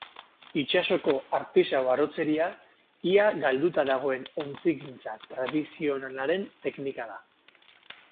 Itsasoko artisau arotzeria, ia galduta dagoen ontzigintza tradizionalaren teknika da.